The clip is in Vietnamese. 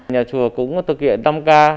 nhà chùa cũng thực hiện năm k